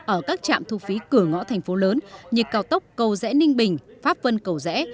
ở các trạm thu phí cửa ngõ thành phố lớn như cao tốc cầu rẽ ninh bình pháp vân cầu rẽ